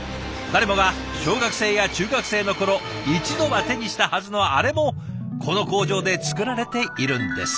誰もが小学生や中学生の頃一度は手にしたはずのあれもこの工場で作られているんです。